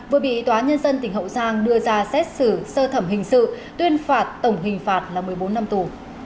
vừa bị tòa nhân dân tỉnh hậu giang đưa ra xét xử sơ thẩm hình sự tuyên phạt tổng hình phạt là một mươi bốn năm tù